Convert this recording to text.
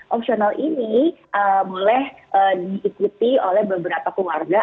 opsional ini boleh diikuti oleh beberapa keluarga